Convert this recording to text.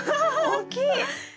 大きい。